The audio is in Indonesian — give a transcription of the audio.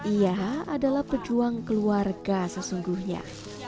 ia adalah pejuang keluarga sesungguhnya